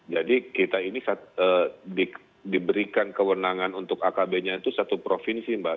jadi kita ini diberikan kewenangan untuk akb nya itu satu provinsi mbak